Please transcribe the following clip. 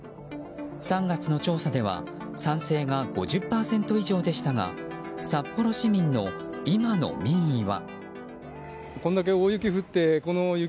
３月の調査では賛成が５０％以上でしたが札幌市民の今の民意は。